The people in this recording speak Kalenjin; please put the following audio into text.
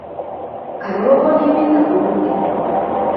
Karoban emet ab Burundi